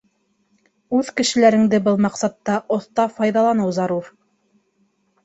Үҙ кешеләреңде был маҡсатта оҫта файҙаланыу зарур.